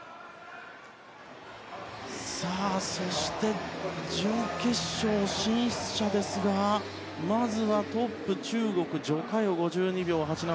そして、準決勝進出者ですがまずはトップ中国のジョ・カヨ５２秒８７。